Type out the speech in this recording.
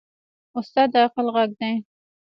استاد د عقل غږ دی.